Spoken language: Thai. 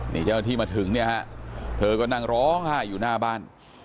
นี่เจ้าหน้าที่มาถึงเนี่ยฮะเธอก็นั่งร้องไห้อยู่หน้าบ้าน